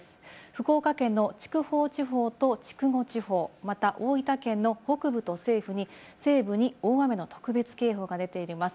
福岡県の筑豊地方と築後地方、また大分県の北部と西部に大雨の特別警報が出ています。